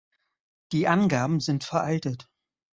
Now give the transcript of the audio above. Die Angaben sind veraltet.